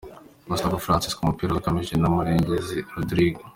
Moustapha Francis ku mupira abangamiwe na Murengezi Rodrigue .